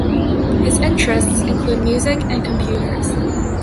His interests include music and computers.